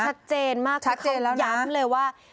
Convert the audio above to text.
เขาชัดเจนมากคือเขาย้ำเลยว่าชัดเจนแล้วนะ